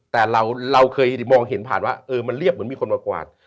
แต่เราเคยมองเห็นผ่านว่ามันเรียบเหมือนมีคนมากวาด